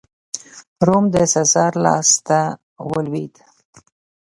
روم د سزار لاسته ولوېد.